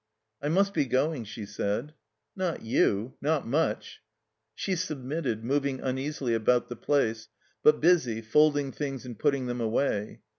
"I must be going," she said. ''Not you. Not much!" She submitted, moving uneasily about the place, but busy, folding things and putting them away.